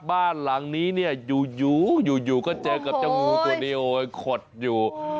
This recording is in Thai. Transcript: บ้านหลังนี้เนี่ยอยู่ก็เจอกับเจ้างูตัวเดียวขดอยู่